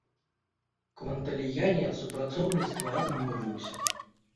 Кванталіяні ад супрацоўніцтва адмовіўся.